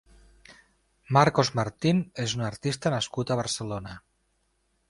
Marcos Martín és un artista nascut a Barcelona.